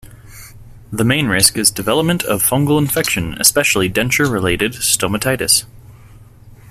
The main risk is development of fungal infection, especially denture-related stomatitis.